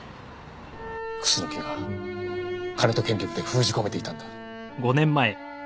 楠木が金と権力で封じ込めていたんだ。